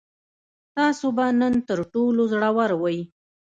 تاسو به نن تر ټولو زړور وئ.